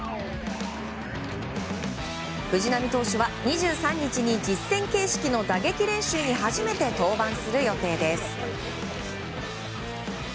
藤浪投手は２３日に実戦形式の打撃練習に初めて登板する予定です。